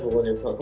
jadi saya juga